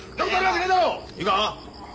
いいか。